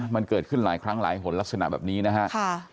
มันเกิดขึ้นหลายครั้งหลายหนลักษณะแบบนี้นะครับ